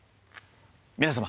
皆様